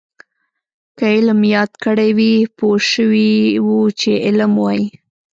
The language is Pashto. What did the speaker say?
که علم یاد کړی وی پوه شوي وو چې علم وايي.